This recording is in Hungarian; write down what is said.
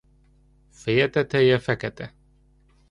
Feje teteje fekete.